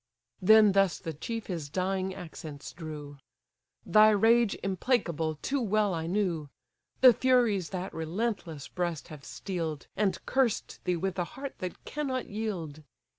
Then thus the chief his dying accents drew: "Thy rage, implacable! too well I knew: The Furies that relentless breast have steel'd, And cursed thee with a heart that cannot yield.